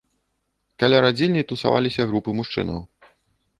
Каля радзільні тусаваліся групы мужчынаў.